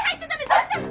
どうしたの？